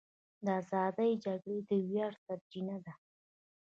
د ازادۍ جګړې د ویاړ سرچینه ده.